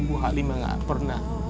bu halimah gak pernah